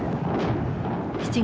７月。